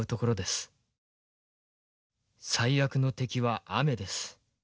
最悪の敵は雨です。